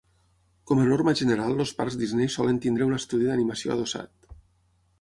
Com a norma general els parcs Disney solen tindre un estudi d'animació adossat.